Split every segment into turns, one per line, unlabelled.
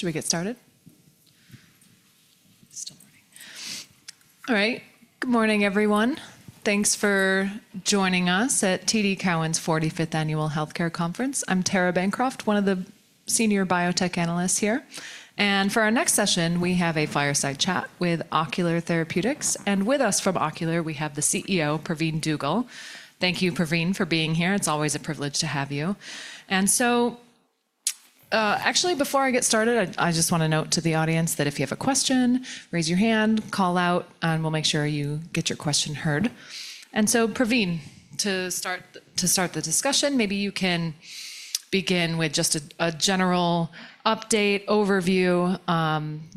Should we get started? Still running. All right, good morning, everyone. Thanks for joining us at TD Cowen's 45th Annual Healthcare conference. I'm Tara Bancroft, one of the Senior Biotech Analysts here. And for our next session, we have a fireside chat with Ocular Therapeutix. And with us from Ocular, we have the CEO, Pravin Dugel. Thank you, Pravin, for being here. It's always a privilege to have you. And so, actually, before I get started, I just want to note to the audience that if you have a question, raise your hand, call out, and we'll make sure you get your question heard. And so, Pravin, to start the discussion, maybe you can begin with just a general update, overview,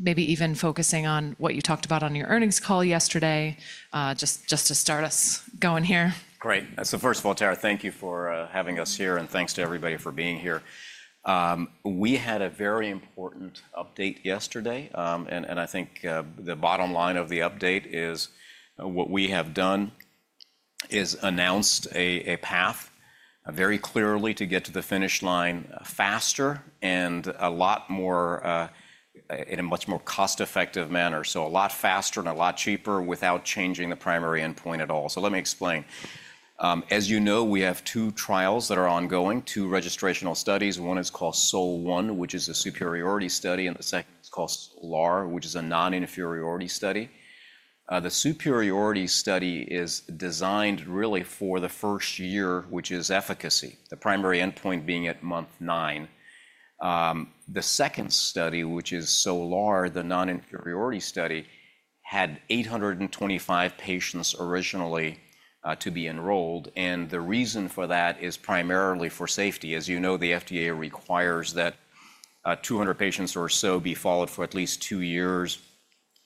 maybe even focusing on what you talked about on your earnings call yesterday, just to start us going here.
Great. First of all, Tara, thank you for having us here, and thanks to everybody for being here. We had a very important update yesterday, and I think the bottom line of the update is what we have done is announced a path very clearly to get to the finish line faster and in a much more cost-effective manner, so a lot faster and a lot cheaper without changing the primary endpoint at all. Let me explain. As you know, we have two trials that are ongoing, two registrational studies. One is called SOL-1, which is a superiority study, and the second is called SOL-R, which is a non-inferiority study. The superiority study is designed really for the first year, which is efficacy, the primary endpoint being at month nine. The second study, which is SOL-R, the non-inferiority study, had 825 patients originally to be enrolled. And the reason for that is primarily for safety. As you know, the FDA requires that 200 patients or so be followed for at least two years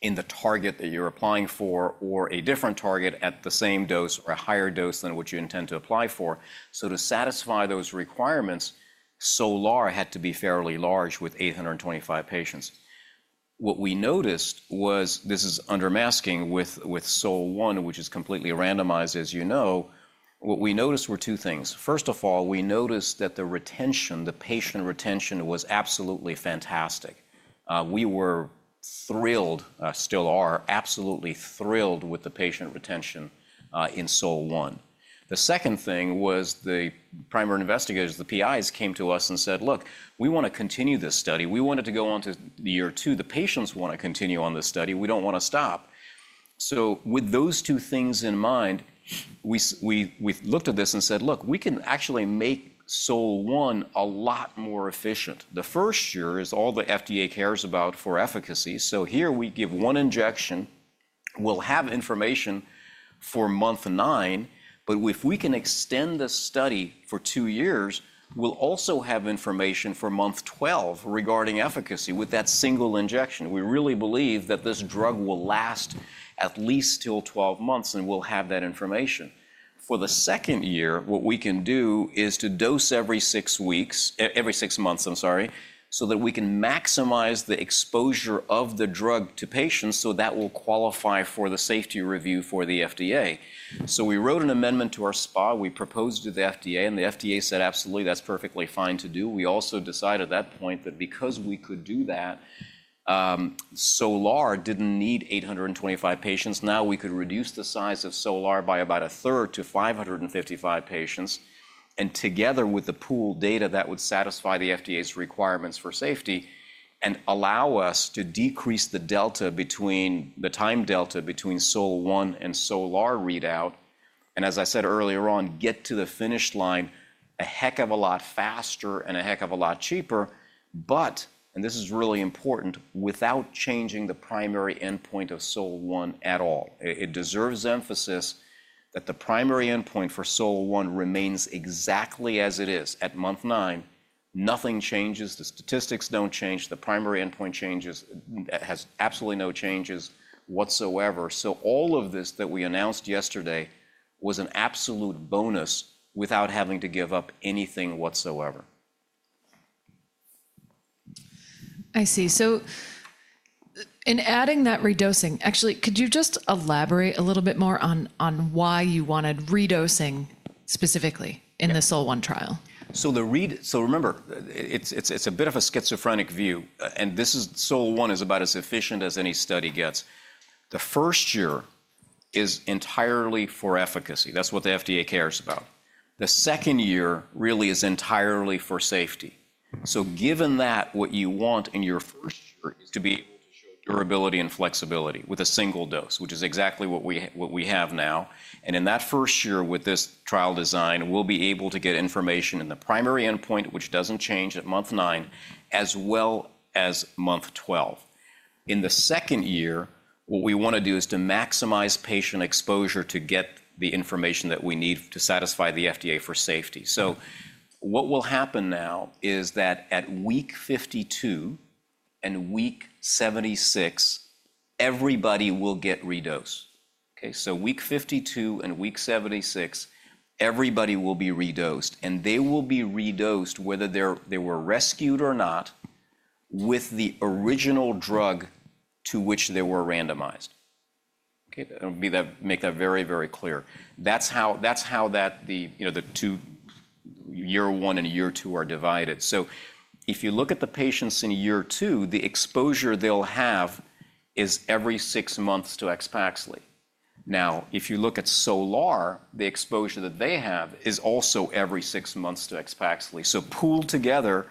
in the target that you're applying for or a different target at the same dose or a higher dose than what you intend to apply for. So to satisfy those requirements, SOL-R had to be fairly large with 825 patients. What we noticed was, this is under masking with SOL-1, which is completely randomized, as you know, what we noticed were two things. First of all, we noticed that the retention, the patient retention, was absolutely fantastic. We were thrilled, still are, absolutely thrilled with the patient retention in SOL-1. The second thing was the primary investigators, the PIs, came to us and said, "Look, we want to continue this study. We want it to go on to year two. The patients want to continue on this study. We don't want to stop." So with those two things in mind, we looked at this and said, "Look, we can actually make SOL-1 a lot more efficient. The first year is all the FDA cares about for efficacy. So here we give one injection. We'll have information for month nine, but if we can extend the study for two years, we'll also have information for month 12 regarding efficacy with that single injection. We really believe that this drug will last at least till 12 months, and we'll have that information. For the second year, what we can do is to dose every six months, I'm sorry, so that we can maximize the exposure of the drug to patients so that will qualify for the safety review for the FDA." So we wrote an amendment to our SPA. We proposed to the FDA, and the FDA said, "Absolutely, that's perfectly fine to do." We also decided at that point that because we could do that, SOL-R didn't need 825 patients. Now we could reduce the size of SOL-R by about a third to 555 patients, and together with the pooled data, that would satisfy the FDA's requirements for safety and allow us to decrease the delta between the time delta between SOL-1 and SOL-R readout, and as I said earlier on, get to the finish line a heck of a lot faster and a heck of a lot cheaper, but, and this is really important, without changing the primary endpoint of SOL-1 at all. It deserves emphasis that the primary endpoint for SOL-1 remains exactly as it is at month nine. Nothing changes. The statistics don't change. The primary endpoint changes has absolutely no changes whatsoever. So all of this that we announced yesterday was an absolute bonus without having to give up anything whatsoever.
I see. So in adding that redosing, actually, could you just elaborate a little bit more on why you wanted redosing specifically in the SOL-1 trial?
So remember, it's a bit of a schizophrenic view. And SOL-1 is about as efficient as any study gets. The first year is entirely for efficacy. That's what the FDA cares about. The second year really is entirely for safety. So given that, what you want in your first year is to be able to show durability and flexibility with a single dose, which is exactly what we have now. And in that first year with this trial design, we'll be able to get information in the primary endpoint, which doesn't change at month nine, as well as month 12. In the second year, what we want to do is to maximize patient exposure to get the information that we need to satisfy the FDA for safety. So what will happen now is that at week 52 and week 76, everybody will get redosed. Okay? So week 52 and week 76, everybody will be redosed. And they will be redosed whether they were rescued or not with the original drug to which they were randomized. Okay? Let me make that very, very clear. That's how the year one and year two are divided. So if you look at the patients in year two, the exposure they'll have is every six months to AXPAXLI. Now, if you look at SOL-R, the exposure that they have is also every six months to AXPAXLI. So pooled together,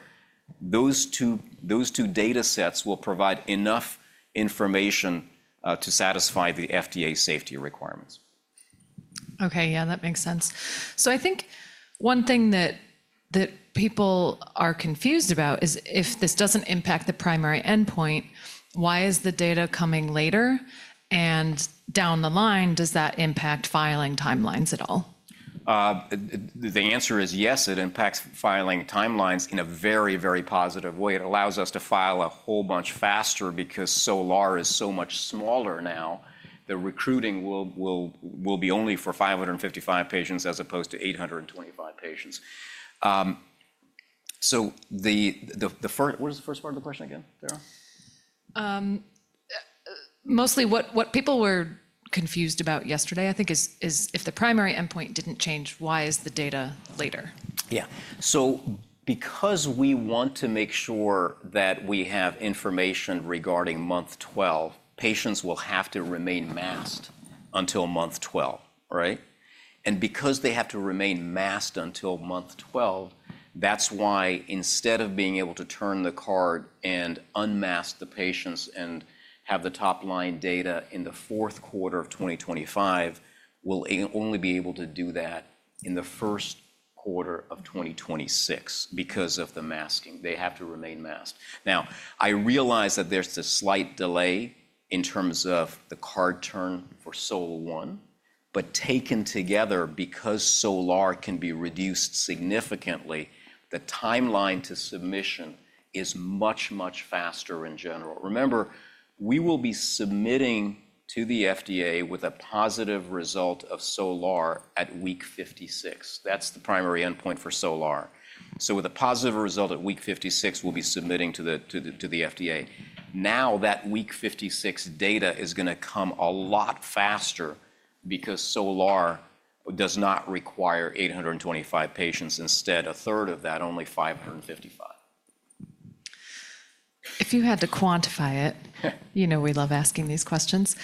those two data sets will provide enough information to satisfy the FDA safety requirements.
Okay. Yeah, that makes sense. So I think one thing that people are confused about is if this doesn't impact the primary endpoint, why is the data coming later? And down the line, does that impact filing timelines at all?
The answer is yes, it impacts filing timelines in a very, very positive way. It allows us to file a whole bunch faster because SOL-R is so much smaller now. The recruiting will be only for 555 patients as opposed to 825 patients. So what was the first part of the question again, Tara?
Mostly what people were confused about yesterday, I think, is if the primary endpoint didn't change, why is the data later?
Yeah. So because we want to make sure that we have information regarding month 12, patients will have to remain masked until month 12, right? And because they have to remain masked until month 12, that's why instead of being able to turn the card and unmask the patients and have the top line data in the fourth quarter of 2025, we'll only be able to do that in the first quarter of 2026 because of the masking. They have to remain masked. Now, I realize that there's a slight delay in terms of the card turn for SOL-1, but taken together, because SOL-R can be reduced significantly, the timeline to submission is much, much faster in general. Remember, we will be submitting to the FDA with a positive result of SOL-R at week 56. That's the primary endpoint for SOL-R. So with a positive result at week 56, we'll be submitting to the FDA. Now that week 56 data is going to come a lot faster because SOL-R does not require 825 patients. Instead, a third of that, only 555.
If you had to quantify it, you know we love asking these questions,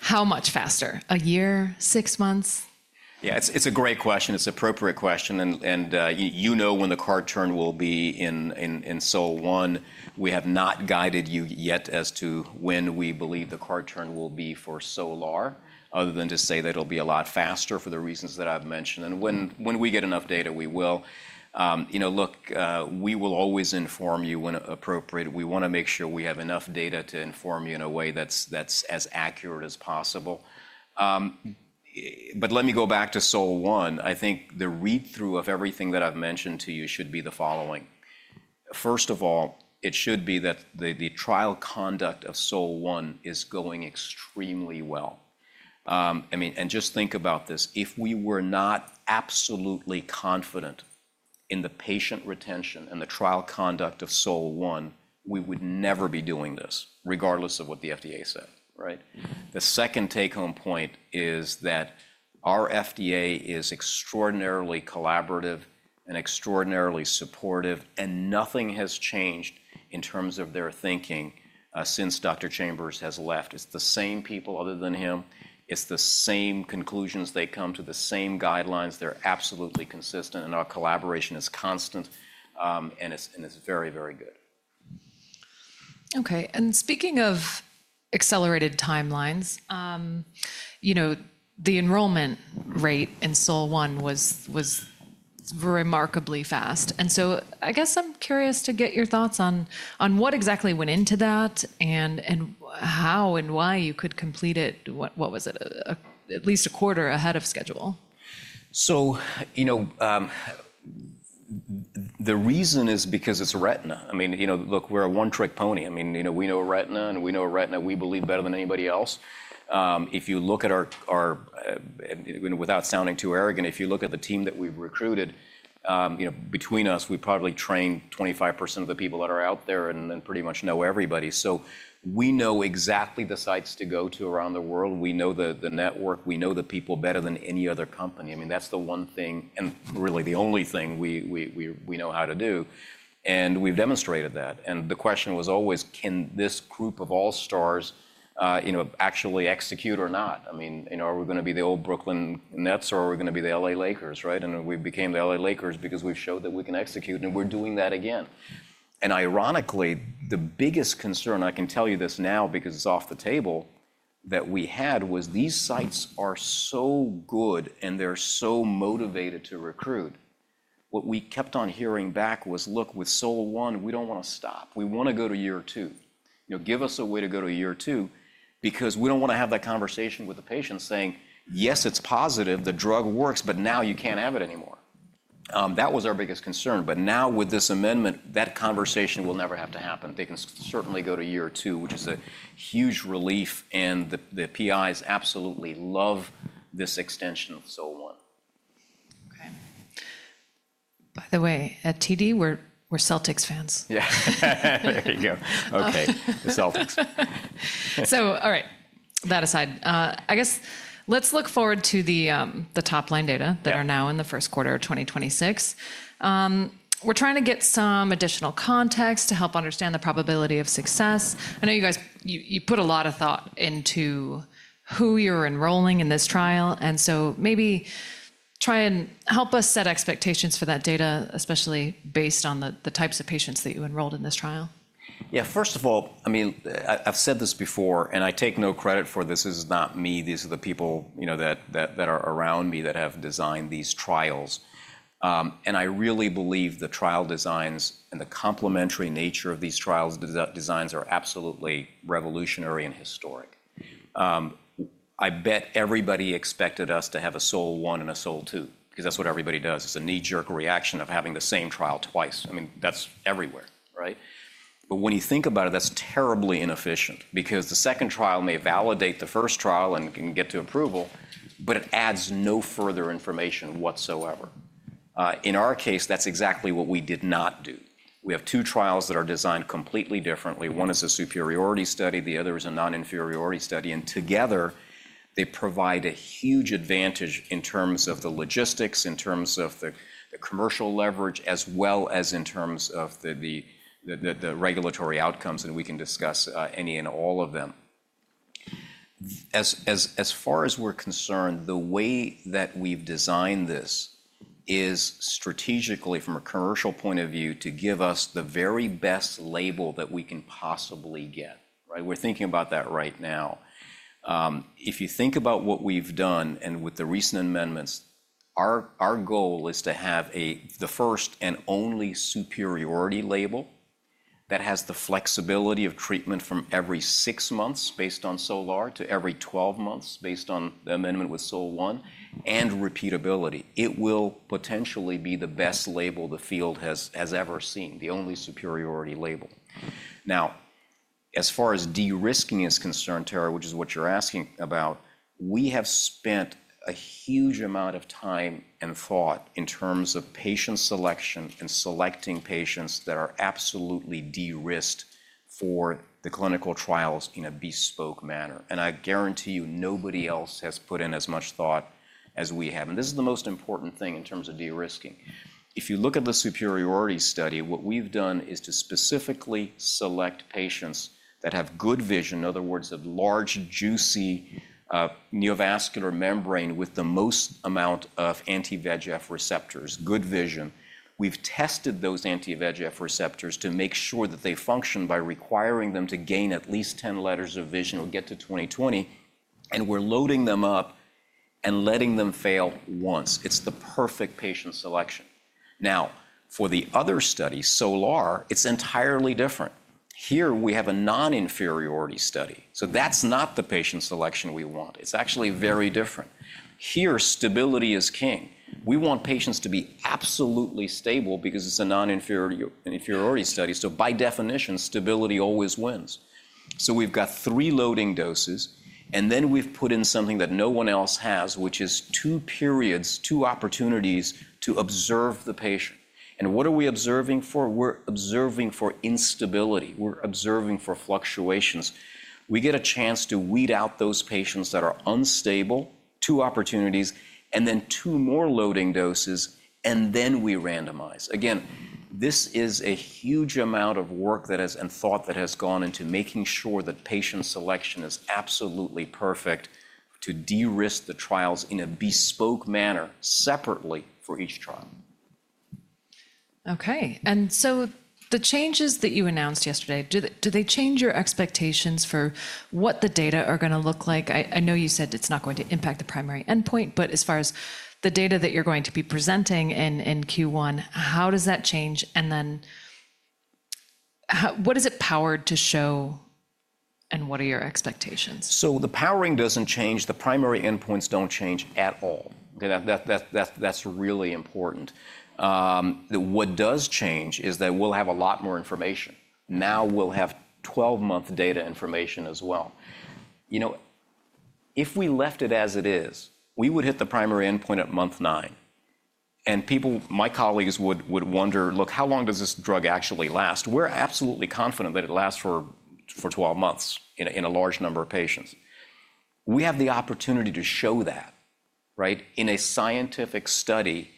how much faster? A year, six months?
Yeah, it's a great question. It's an appropriate question, and you know when the card turn will be in SOL-1. We have not guided you yet as to when we believe the card turn will be for SOL-R, other than to say that it'll be a lot faster for the reasons that I've mentioned, and when we get enough data, we will. Look, we will always inform you when appropriate. We want to make sure we have enough data to inform you in a way that's as accurate as possible, but let me go back to SOL-1. I think the read-through of everything that I've mentioned to you should be the following. First of all, it should be that the trial conduct of SOL-1 is going extremely well. I mean, and just think about this. If we were not absolutely confident in the patient retention and the trial conduct of SOL-1, we would never be doing this, regardless of what the FDA said, right? The second take-home point is that our FDA is extraordinarily collaborative and extraordinarily supportive, and nothing has changed in terms of their thinking since Dr. Chambers has left. It's the same people other than him. It's the same conclusions they come to, the same guidelines. They're absolutely consistent, and our collaboration is constant and is very, very good.
Okay, and speaking of accelerated timelines, the enrollment rate in SOL-1 was remarkably fast. And so I guess I'm curious to get your thoughts on what exactly went into that and how and why you could complete it. What was it? At least a quarter ahead of schedule.
So the reason is because it's retina. I mean, look, we're a one-trick pony. I mean, we know retina, and we know retina. We believe better than anybody else. If you look at our, without sounding too arrogant, if you look at the team that we've recruited, between us, we probably train 25% of the people that are out there and pretty much know everybody. So we know exactly the sites to go to around the world. We know the network. We know the people better than any other company. I mean, that's the one thing, and really the only thing we know how to do. And we've demonstrated that. And the question was always, can this group of all-stars actually execute or not? I mean, are we going to be the old Brooklyn Nets or are we going to be the LA Lakers, right? And we became the LA Lakers because we've showed that we can execute, and we're doing that again. And ironically, the biggest concern, I can tell you this now because it's off the table, that we had was these sites are so good and they're so motivated to recruit. What we kept on hearing back was, "Look, with SOL-1, we don't want to stop. We want to go to year two. Give us a way to go to year two because we don't want to have that conversation with the patients saying, 'Yes, it's positive. The drug works, but now you can't have it anymore.'" That was our biggest concern. But now with this amendment, that conversation will never have to happen. They can certainly go to year two, which is a huge relief. And the PIs absolutely love this extension of SOL-1.
Okay. By the way, at TD, we're Celtics fans.
Yeah. There you go. Okay. The Celtics.
So, all right, that aside, I guess let's look forward to the top line data that are now in the first quarter of 2026. We're trying to get some additional context to help understand the probability of success. I know you guys put a lot of thought into who you're enrolling in this trial. And so maybe try and help us set expectations for that data, especially based on the types of patients that you enrolled in this trial.
Yeah. First of all, I mean, I've said this before, and I take no credit for this. This is not me. These are the people that are around me that have designed these trials. And I really believe the trial designs and the complementary nature of these trial designs are absolutely revolutionary and historic. I bet everybody expected us to have a SOL-1 and a SOL-2 because that's what everybody does. It's a knee-jerk reaction of having the same trial twice. I mean, that's everywhere, right? But when you think about it, that's terribly inefficient because the second trial may validate the first trial and can get to approval, but it adds no further information whatsoever. In our case, that's exactly what we did not do. We have two trials that are designed completely differently. One is a superiority study. The other is a non-inferiority study. Together, they provide a huge advantage in terms of the logistics, in terms of the commercial leverage, as well as in terms of the regulatory outcomes. We can discuss any and all of them. As far as we're concerned, the way that we've designed this is strategically from a commercial point of view to give us the very best label that we can possibly get, right? We're thinking about that right now. If you think about what we've done and with the recent amendments, our goal is to have the first and only superiority label that has the flexibility of treatment from every six months based on SOL-R to every 12 months based on the amendment with SOL-1 and repeatability. It will potentially be the best label the field has ever seen, the only superiority label. Now, as far as de-risking is concerned, Tara, which is what you're asking about, we have spent a huge amount of time and thought in terms of patient selection and selecting patients that are absolutely de-risked for the clinical trials in a bespoke manner. And I guarantee you nobody else has put in as much thought as we have. And this is the most important thing in terms of de-risking. If you look at the superiority study, what we've done is to specifically select patients that have good vision, in other words, a large, juicy neovascular membrane with the most amount of anti-VEGF receptors, good vision. We've tested those anti-VEGF receptors to make sure that they function by requiring them to gain at least 10 letters of vision or get to 20/20. And we're loading them up and letting them fail once. It's the perfect patient selection. Now, for the other study, SOL-R, it's entirely different. Here, we have a non-inferiority study. So that's not the patient selection we want. It's actually very different. Here, stability is king. We want patients to be absolutely stable because it's a non-inferiority study. So by definition, stability always wins. So we've got three loading doses, and then we've put in something that no one else has, which is two periods, two opportunities to observe the patient. And what are we observing for? We're observing for instability. We're observing for fluctuations. We get a chance to weed out those patients that are unstable, two opportunities, and then two more loading doses, and then we randomize. Again, this is a huge amount of work and thought that has gone into making sure that patient selection is absolutely perfect to de-risk the trials in a bespoke manner separately for each trial.
Okay. And so the changes that you announced yesterday, do they change your expectations for what the data are going to look like? I know you said it's not going to impact the primary endpoint, but as far as the data that you're going to be presenting in Q1, how does that change? And then what is it powered to show, and what are your expectations?
So the powering doesn't change. The primary endpoints don't change at all. That's really important. What does change is that we'll have a lot more information. Now we'll have 12-month data information as well. If we left it as it is, we would hit the primary endpoint at month nine. And my colleagues would wonder, "Look, how long does this drug actually last?" We're absolutely confident that it lasts for 12 months in a large number of patients. We have the opportunity to show that, right, in a scientific study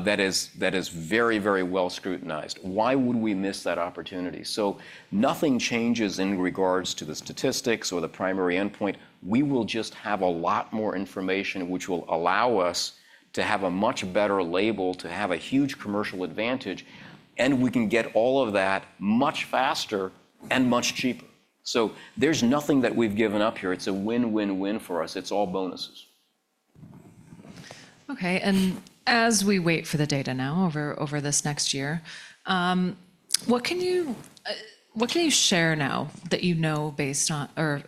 that is very, very well scrutinized. Why would we miss that opportunity? So nothing changes in regards to the statistics or the primary endpoint. We will just have a lot more information, which will allow us to have a much better label, to have a huge commercial advantage, and we can get all of that much faster and much cheaper. So there's nothing that we've given up here. It's a win-win-win for us. It's all bonuses.
Okay. And as we wait for the data now over this next year, what can you share now that you know based on or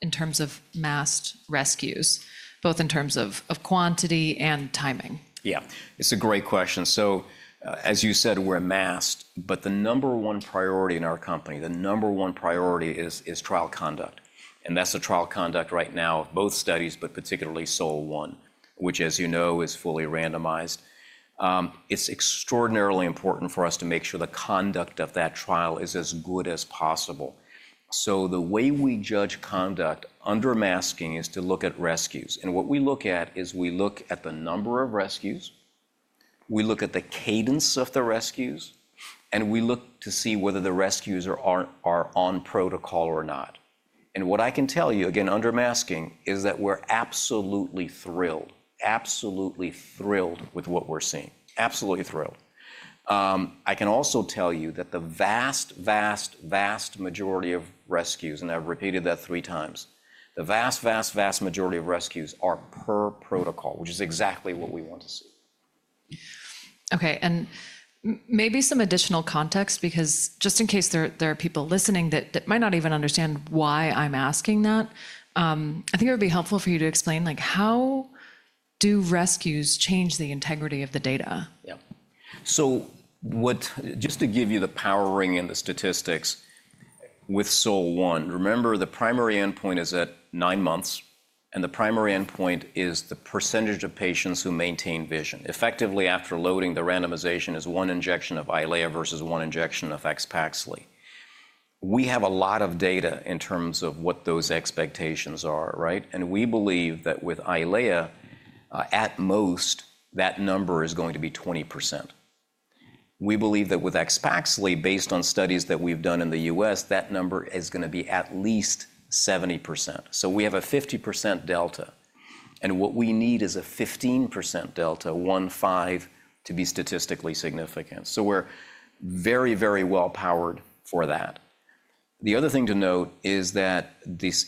in terms of masked rescues, both in terms of quantity and timing?
Yeah. It's a great question. So as you said, we're masked, but the number one priority in our company, the number one priority is trial conduct. And that's the trial conduct right now of both studies, but particularly SOL-1, which, as you know, is fully randomized. It's extraordinarily important for us to make sure the conduct of that trial is as good as possible. So the way we judge conduct under masking is to look at rescues. And what we look at is we look at the number of rescues, we look at the cadence of the rescues, and we look to see whether the rescues are on protocol or not. And what I can tell you, again, under masking, is that we're absolutely thrilled, absolutely thrilled with what we're seeing, absolutely thrilled. I can also tell you that the vast, vast, vast majority of rescues, and I've repeated that three times, the vast, vast, vast majority of rescues are per protocol, which is exactly what we want to see.
Okay, and maybe some additional context because just in case there are people listening that might not even understand why I'm asking that, I think it would be helpful for you to explain how do rescues change the integrity of the data?
Yeah. So just to give you the powering and the statistics with SOL-1, remember the primary endpoint is at nine months, and the primary endpoint is the percentage of patients who maintain vision. Effectively, after loading, the randomization is one injection of Eylea versus one injection of AXPAXLI. We have a lot of data in terms of what those expectations are, right? And we believe that with Eylea, at most, that number is going to be 20%. We believe that with AXPAXLI, based on studies that we've done in the US, that number is going to be at least 70%. So we have a 50% delta. And what we need is a 15% delta, 1/5, to be statistically significant. So we're very, very well powered for that. The other thing to note is that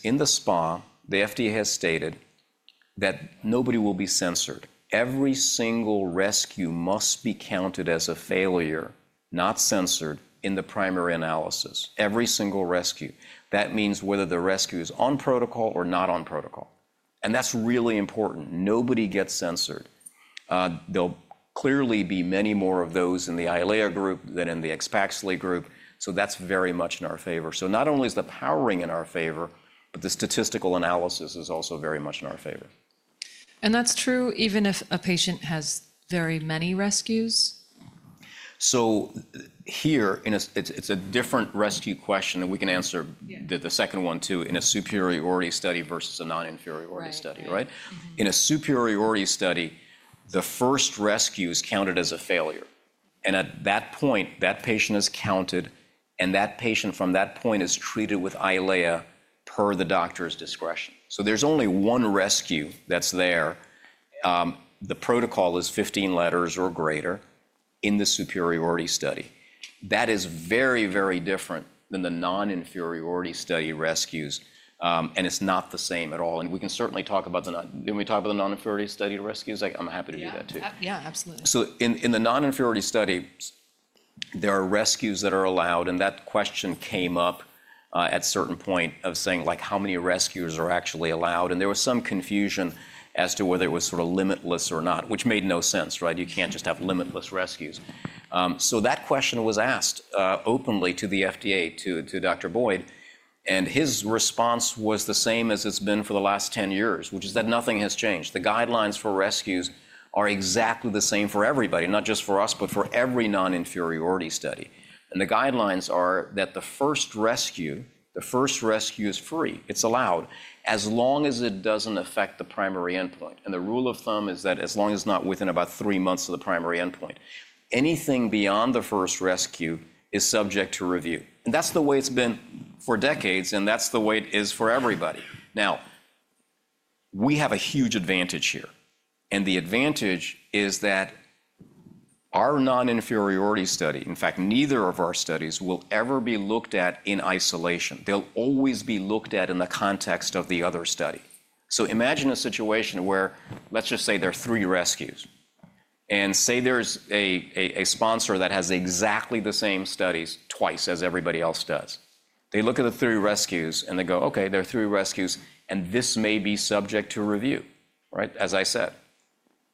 in the SPA, the FDA has stated that nobody will be censored. Every single rescue must be counted as a failure, not censored, in the primary analysis. Every single rescue. That means whether the rescue is on protocol or not on protocol. And that's really important. Nobody gets censored. There'll clearly be many more of those in the Eylea group than in the AXPAXLI group. So that's very much in our favor. So not only is the powering in our favor, but the statistical analysis is also very much in our favor.
And that's true even if a patient has very many rescues?
So here, it's a different rescue question, and we can answer the second one too, in a superiority study versus a non-inferiority study, right? In a superiority study, the first rescue is counted as a failure. And at that point, that patient is counted, and that patient from that point is treated with Eylea per the doctor's discretion. So there's only one rescue that's there. The protocol is 15 letters or greater in the superiority study. That is very, very different than the non-inferiority study rescues, and it's not the same at all. And we can certainly talk about the non. Didn't we talk about the non-inferiority study rescues? I'm happy to do that too.
Yeah, absolutely.
In the non-inferiority study, there are rescues that are allowed. And that question came up at a certain point of saying, like, how many rescues are actually allowed? And there was some confusion as to whether it was sort of limitless or not, which made no sense, right? You can't just have limitless rescues. So that question was asked openly to the FDA, to Dr. Boyd, and his response was the same as it's been for the last 10 years, which is that nothing has changed. The guidelines for rescues are exactly the same for everybody, not just for us, but for every non-inferiority study. And the guidelines are that the first rescue, the first rescue is free. It's allowed as long as it doesn't affect the primary endpoint. The rule of thumb is that as long as it's not within about three months of the primary endpoint, anything beyond the first rescue is subject to review. And that's the way it's been for decades, and that's the way it is for everybody. Now, we have a huge advantage here. And the advantage is that our non-inferiority study, in fact, neither of our studies will ever be looked at in isolation. They'll always be looked at in the context of the other study. So imagine a situation where, let's just say there are three rescues, and say there's a sponsor that has exactly the same studies twice as everybody else does. They look at the three rescues, and they go, "Okay, there are three rescues, and this may be subject to review," right? As I said.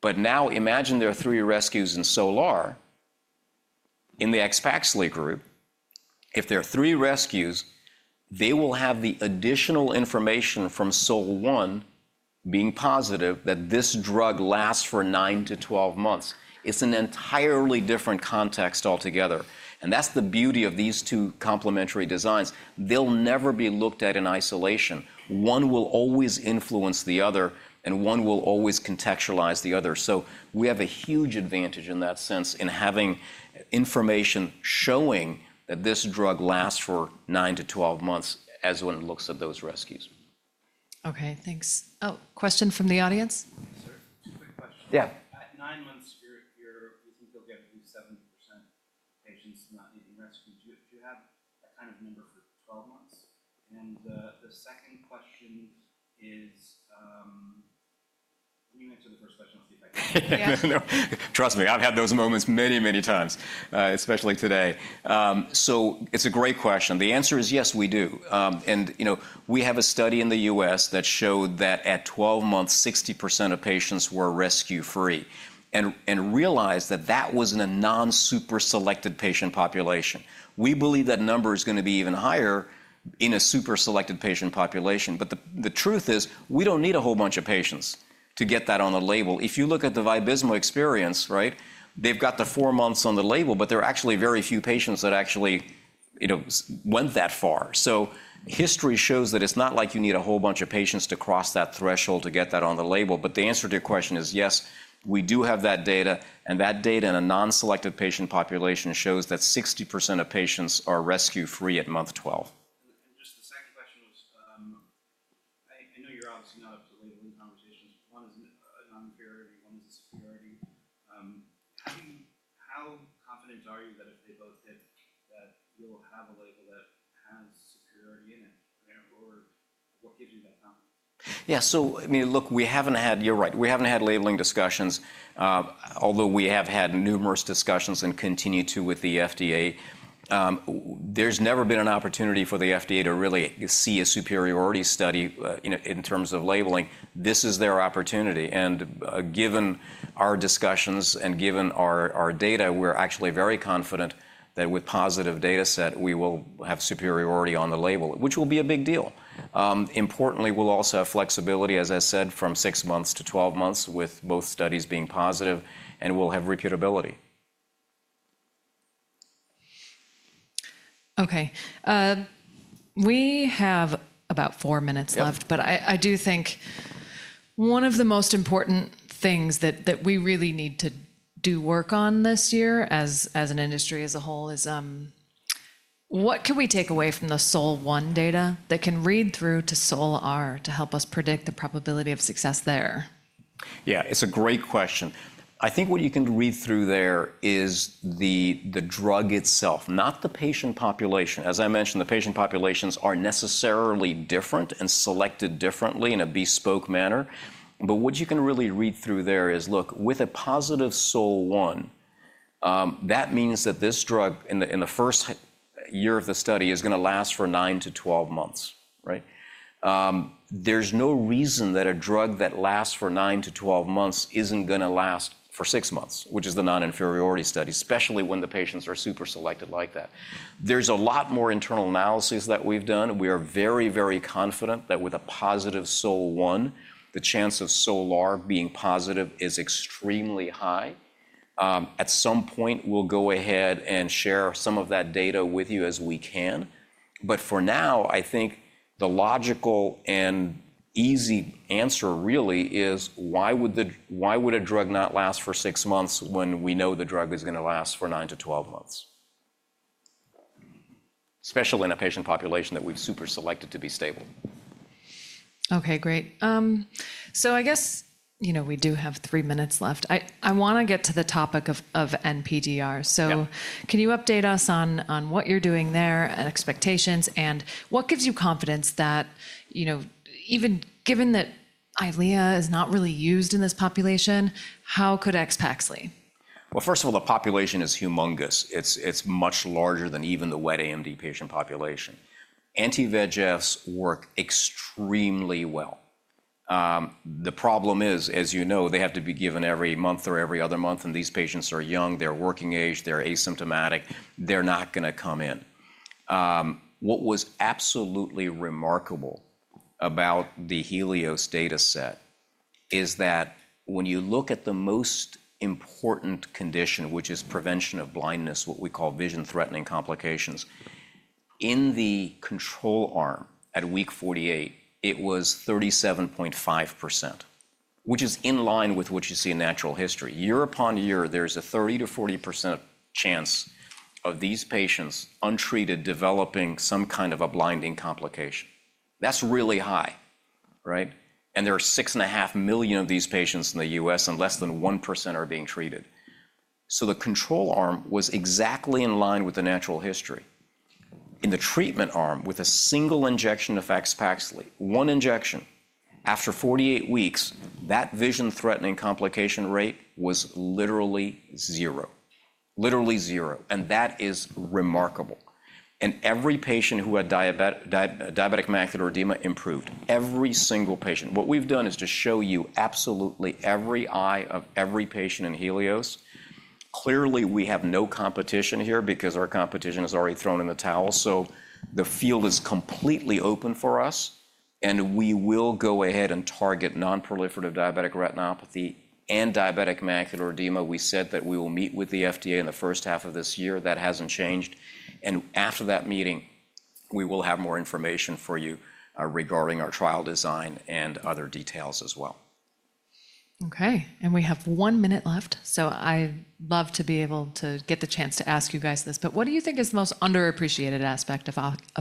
But now imagine there are three rescues in SOL-R in the AXPAXLI group. If there are three rescues, they will have the additional information from SOL-1 being positive that this drug lasts for nine to 12 months. It's an entirely different context altogether. And that's the beauty of these two complementary designs. They'll never be looked at in isolation. One will always influence the other, and one will always contextualize the other. So we have a huge advantage in that sense in having information showing that this drug lasts for nine to 12 months as one looks at those rescues.
Okay. Thanks. Oh, question from the audience? Sir, quick question.
Yeah. At nine months, you think you'll get 70% patients not needing rescues. Do you have that kind of number for 12 months? And the second question is, can you answer the first question? I'll see if I can answer. Trust me, I've had those moments many, many times, especially today. So it's a great question. The answer is yes, we do. And we have a study in the U.S. that showed that at 12 months, 60% of patients were rescue-free. And realize that that was in a non-super-selected patient population. We believe that number is going to be even higher in a super-selected patient population. But the truth is, we don't need a whole bunch of patients to get that on the label. If you look at the Vabysmo experience, right, they've got the four months on the label, but there are actually very few patients that actually went that far. So history shows that it's not like you need a whole bunch of patients to cross that threshold to get that on the label. But the answer to your question is yes, we do have that data. That data in a non-selected patient population shows that 60% of patients are rescue-free at month 12. Just the second question was, I know you're obviously not up to labeling conversations. One is a non-inferiority, one is a superiority. How confident are you that if they both hit that you'll have a label that has superiority in it? Or what gives you that confidence? Yeah. So I mean, look, we haven't had, you're right, we haven't had labeling discussions, although we have had numerous discussions and continue to with the FDA. There's never been an opportunity for the FDA to really see a superiority study in terms of labeling. This is their opportunity. And given our discussions and given our data, we're actually very confident that with positive data set, we will have superiority on the label, which will be a big deal. Importantly, we'll also have flexibility, as I said, from six months to 12 months with both studies being positive, and we'll have repeatability.
Okay. We have about four minutes left, but I do think one of the most important things that we really need to do work on this year as an industry as a whole is what can we take away from the SOL-1 data that can read through to SOL-R to help us predict the probability of success there?
Yeah, it's a great question. I think what you can read through there is the drug itself, not the patient population. As I mentioned, the patient populations are necessarily different and selected differently in a bespoke manner. But what you can really read through there is, look, with a positive SOL-1, that means that this drug in the first year of the study is going to last for nine to 12 months, right? There's no reason that a drug that lasts for nine to 12 months isn't going to last for six months, which is the non-inferiority study, especially when the patients are super-selected like that. There's a lot more internal analysis that we've done. We are very, very confident that with a positive SOL-1, the chance of SOL-R being positive is extremely high. At some point, we'll go ahead and share some of that data with you as we can. But for now, I think the logical and easy answer really is why would a drug not last for six months when we know the drug is going to last for nine to 12 months, especially in a patient population that we've super-selected to be stable?
Okay, great. So I guess we do have three minutes left. I want to get to the topic of NPDR. So can you update us on what you're doing there and expectations, and what gives you confidence that even given that Eylea is not really used in this population, how could AXPAXLI?
Well, first of all, the population is humongous. It's much larger than even the wet AMD patient population. Anti-VEGFs work extremely well. The problem is, as you know, they have to be given every month or every other month, and these patients are young, they're working age, they're asymptomatic, they're not going to come in. What was absolutely remarkable about the HELIOS data set is that when you look at the most important condition, which is prevention of blindness, what we call vision-threatening complications, in the control arm at week 48, it was 37.5%, which is in line with what you see in natural history. Year upon year, there's a 30%-40% chance of these patients untreated developing some kind of a blinding complication. That's really high, right? And there are 6.5 million of these patients in the U.S., and less than 1% are being treated. So the control arm was exactly in line with the natural history. In the treatment arm, with a single injection of AXPAXLI, one injection, after 48 weeks, that vision-threatening complication rate was literally zero, literally zero. And that is remarkable. And every patient who had diabetic macular edema improved, every single patient. What we've done is to show you absolutely every eye of every patient in HELIOS. Clearly, we have no competition here because our competition is already thrown in the towel. So the field is completely open for us, and we will go ahead and target non-proliferative diabetic retinopathy and diabetic macular edema. We said that we will meet with the FDA in the first half of this year. That hasn't changed. And after that meeting, we will have more information for you regarding our trial design and other details as well.
Okay. And we have one minute left, so I'd love to be able to get the chance to ask you guys this. But what do you think is the most underappreciated aspect of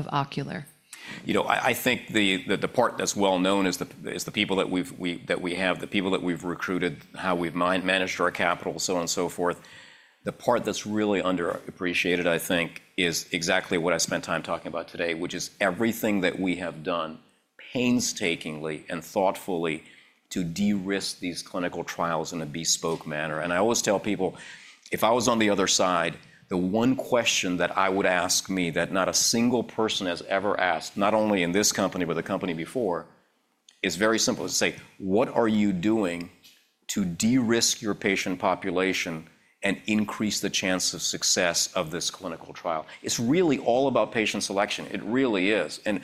Ocular?
You know, I think the part that's well known is the people that we have, the people that we've recruited, how we've managed our capital, so on and so forth. The part that's really underappreciated, I think, is exactly what I spent time talking about today, which is everything that we have done painstakingly and thoughtfully to de-risk these clinical trials in a bespoke manner. And I always tell people, if I was on the other side, the one question that I would ask me that not a single person has ever asked, not only in this company, but the company before, is very simple. It's to say, what are you doing to de-risk your patient population and increase the chance of success of this clinical trial? It's really all about patient selection. It really is. And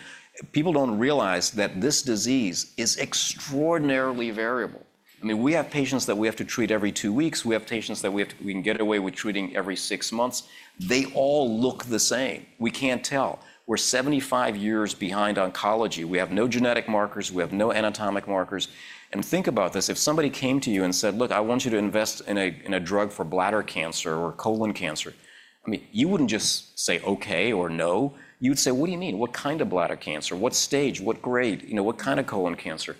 people don't realize that this disease is extraordinarily variable. I mean, we have patients that we have to treat every two weeks. We have patients that we can get away with treating every six months. They all look the same. We can't tell. We're 75 years behind oncology. We have no genetic markers. We have no anatomic markers. And think about this. If somebody came to you and said, "Look, I want you to invest in a drug for bladder cancer or colon cancer," I mean, you wouldn't just say, "Okay," or "No." You'd say, "What do you mean? What kind of bladder cancer? What stage? What grade? What kind of colon cancer?"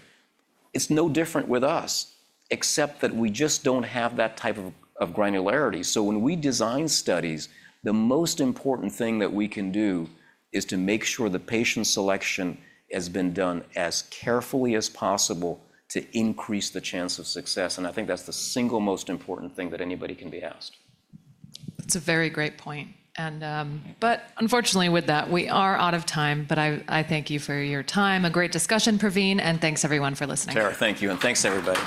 It's no different with us, except that we just don't have that type of granularity. When we design studies, the most important thing that we can do is to make sure the patient selection has been done as carefully as possible to increase the chance of success. I think that's the single most important thing that anybody can be asked.
That's a very great point. But unfortunately, with that, we are out of time. But I thank you for your time. A great discussion, Pravin, and thanks everyone for listening.
Tara, thank you. And thanks, everybody.